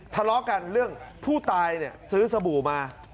ทะเลาะกันเรื่องผู้ตายเนี่ยซื้อสบู่มา